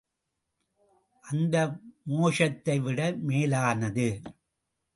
அந்த மோஷத்தை விட மேலானது.